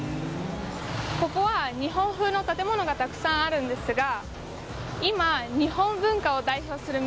ここは日本風の建物がたくさんあるんですが今日本文化を代表する店が話題になってます。